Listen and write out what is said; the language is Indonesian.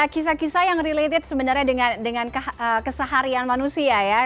kisah kisah yang related sebenarnya dengan keseharian manusia ya